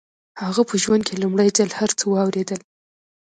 هغه په ژوند کې لومړي ځل هر څه واورېدل.